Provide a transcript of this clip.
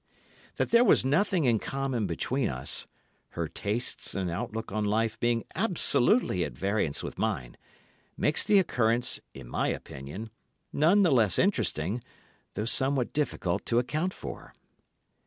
That there was nothing in common between us, her tastes and outlook on life being absolutely at variance with mine, makes the occurrence, in my opinion, none the less interesting, though somewhat difficult to account for.